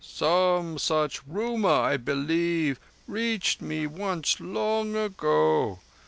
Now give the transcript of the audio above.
"Some such rumour, I believe, reached me once long ago.